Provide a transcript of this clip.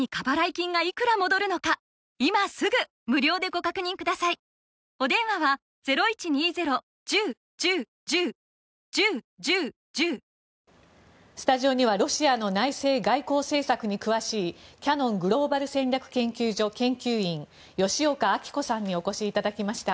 こうした厳しい制裁の影響は大きくスタジオにはロシアの内政・外交政策に詳しいキヤノングローバル戦略研究所研究員吉岡明子さんにお越しいただきました。